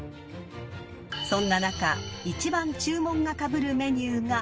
［そんな中１番注文がかぶるメニューが］